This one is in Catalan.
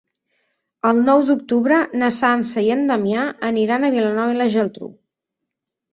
El nou d'octubre na Sança i en Damià aniran a Vilanova i la Geltrú.